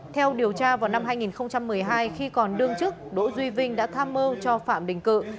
theo điều tra vào năm hai nghìn một mươi hai khi còn đương chức đỗ duy vinh đã tham mưu cho phạm đình cự